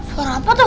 suara apa tuh